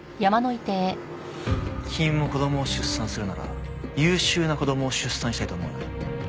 君も子供を出産するなら優秀な子供を出産したいと思わない？